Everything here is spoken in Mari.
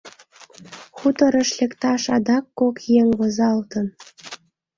Хуторыш лекташ адак кок еҥ возалтын.